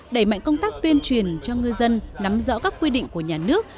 đẩy mạnh công tác tuyên truyền cho ngư dân nắm rõ các quy định của nhà nước